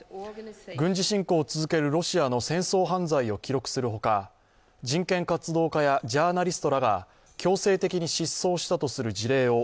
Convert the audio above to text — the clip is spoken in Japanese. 軍事侵攻を続けるロシアの戦争犯罪を記録するほか人権活動家やジャーナリストらが強制的に失踪したとする事例を